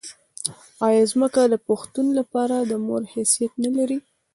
آیا ځمکه د پښتون لپاره د مور حیثیت نلري؟